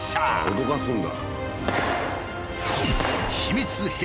驚かすんだ。